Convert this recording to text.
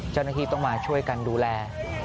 เจ้าหน้าที่ต้องมาช่วยกันดูแล